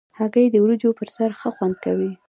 هګۍ د وریجو پر سر ښه خوند کوي.